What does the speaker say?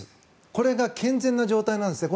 これが健全な状態なんですね。